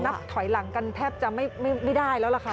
นับถอยหลังกันแทบจะไม่ได้แล้วล่ะค่ะ